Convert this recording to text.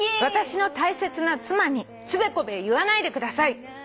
「『私の大切な妻につべこべ言わないでください。